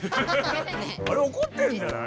あれおこってんじゃない？